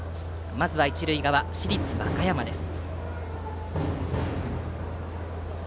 まずは一塁側、市立和歌山です。